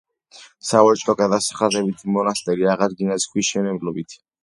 სავაჭრო გადასახადებით მონასტერი აღადგინეს ქვის მშენებლობებით.